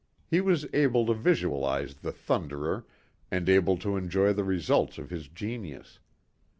He was able to visualize the Thunderer and able to enjoy the results of his genius.